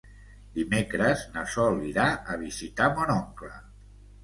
Dimecres na Sol irà a visitar mon oncle.